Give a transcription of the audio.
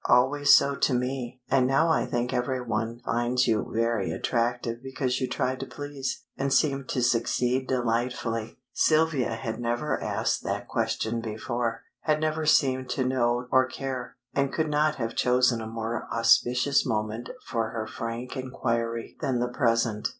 "Always so to me; and now I think every one finds you very attractive because you try to please, and seem to succeed delightfully." Sylvia had never asked that question before, had never seemed to know or care, and could not have chosen a more auspicious moment for her frank inquiry than the present.